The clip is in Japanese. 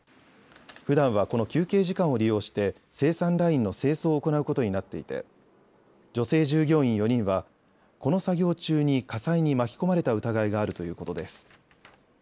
ふだんはこの休憩時間を利用して生産ラインの清掃を行うことになっていて女性従業員４人はこの作業中に火災に巻き込まれた疑いがあるということです。